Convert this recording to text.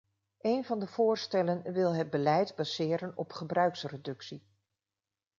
Een van de voorstellen wil het beleid baseren op gebruiksreductie.